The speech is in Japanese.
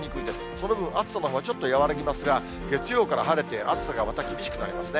その分、暑さのほうはちょっと和らぎますが、月曜からまた暑さがまた厳しくなりますね。